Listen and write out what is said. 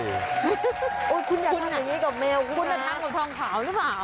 คุณจะตังกับทองขาวหรือเปล่า